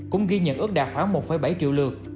cũng ghi nhận ước đạt khoảng một bảy triệu lượt